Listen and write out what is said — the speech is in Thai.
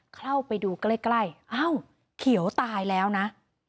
เข้าไปดูใกล้อ้าวเขียวตายแล้วนะ